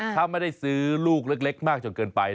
ถ้าไม่ได้ซื้อลูกเล็กมากจนเกินไป